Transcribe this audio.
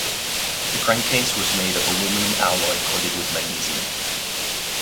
The crankcase was made of aluminium alloy coated with magnesium.